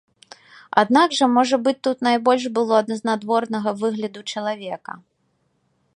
Аднак жа, можа быць, тут найбольш было ад знадворнага выгляду чалавека.